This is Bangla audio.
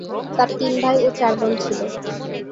তার তিন ভাই ও চার বোন ছিল।